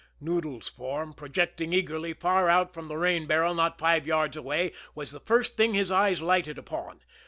Noodles' form, projecting eagerly far out from the rain barrel not five yards away, was the first thing his eyes lighted upon.